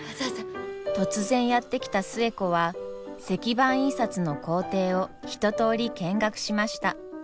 突然やって来た寿恵子は石版印刷の工程を一とおり見学しました。